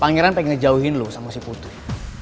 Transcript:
pangeran pengen ngejauhin lo sama si putri